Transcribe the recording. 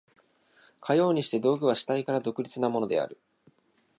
かようにして道具は主体から独立なものである。